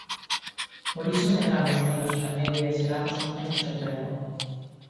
Por iso medramos menos que a media e xeramos menos emprego.